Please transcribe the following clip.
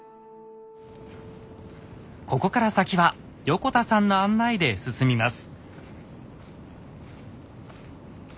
ここから先は横田さんの案内で進みます。